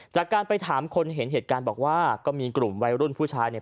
จากการไปถามคนเห็นเหตุการณ์บอกว่าก็มีกลุ่มวัยรุ่นผู้ชายเนี่ย